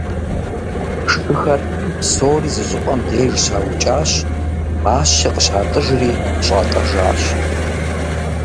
Шыхэр псори зы щӏыпӏэм деж щаукӏащ, мащи къыщатӏыжри щӏатӏэжащ.